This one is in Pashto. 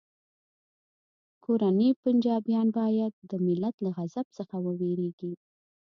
کورني پنجابیان باید د ملت له غضب څخه وویریږي